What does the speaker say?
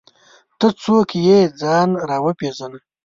ته څوک یې ځان راوپېژنه!